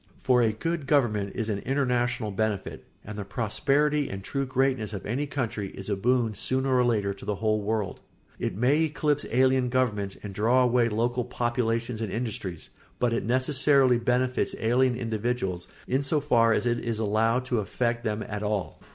For a good government is an international benefit, and the prosperity and true greatness of any country is a boon sooner or later to the whole world; it may eclipse alien governments and draw away local populations or industries, but it necessarily benefits alien individuals in so far as it is allowed to affect them at all.